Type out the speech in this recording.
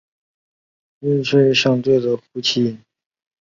与其相对的是呼气音。